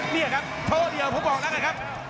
เนี่ยครับโทรเดียครับผมบอกได้ครับ